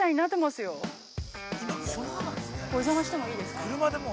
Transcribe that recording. すごい、お邪魔してもいいですか。